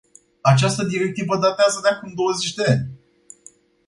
Această directivă datează de acum douăzeci de ani.